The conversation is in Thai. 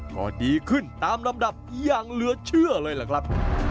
ก็ดีขึ้นตามลำดับอย่างเหลือเชื่อเลยล่ะครับ